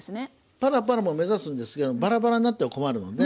パラパラも目指すんですけどバラバラになっては困るので。